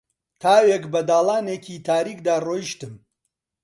تاوێک بە داڵانێکی تاریکدا ڕۆیشتم